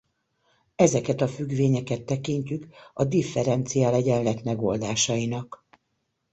Ezeket a függvényeket tekintjük a differenciálegyenlet megoldásainak.